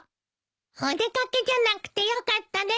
お出掛けじゃなくてよかったです。